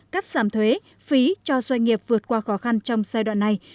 cắt giảm thuế phí cho doanh nghiệp vượt qua khó khăn trong giai đoạn này